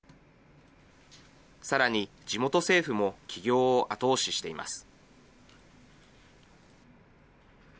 さらに、地元政府も起業を後押ししています。